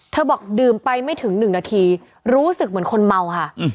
บอกดื่มไปไม่ถึง๑นาทีรู้สึกเหมือนคนเมาค่ะ